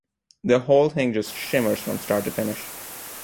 The whole thing just shimmers from start to finish.